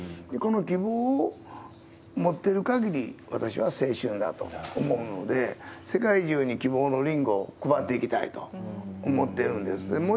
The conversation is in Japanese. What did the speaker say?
この希望を持ってるかぎり、私は青春だと思うので、世界中に希望のリンゴを配っていきたいと思ってるんですね。